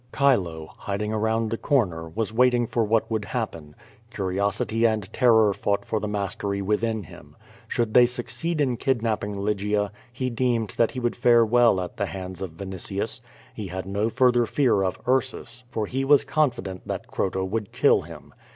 Chilo, hiding around the corner, was waiting for what would happen. Curiosity and terror fought for the mastery within him. Should they succeed in kidnapping Lygia, he deemed that he would fare well at the hands of Vinitius. He had no further fear of Ursus, for he was confident that, Croto would kill him.